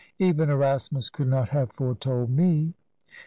Even Erasmus could not have foretold me.